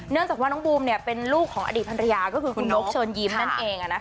จากว่าน้องบูมเป็นลูกของอดีตภรรยาก็คือคุณนกเชิญยิ้มนั่นเอง